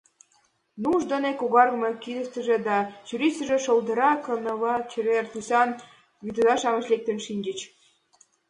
Нуж дене когаргыме кидыштыже да чурийыштыже шолдыра кыналге-чевер тӱсан вӱдотыза-шамыч лектын шинчыч.